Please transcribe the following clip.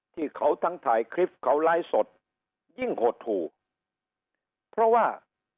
ที่เขาทั้งถ่ายคลิปเขาไลฟ์สดยิ่งหดหู่เพราะว่า